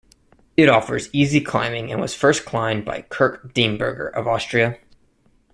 It offers easy climbing and was first climbed by Kurt Diemberger of Austria.